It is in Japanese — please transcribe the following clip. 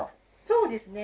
そうですね。